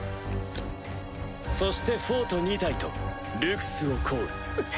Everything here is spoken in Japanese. そしてフォート２体とルクスをコール。